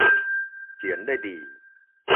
เขียนได้ดี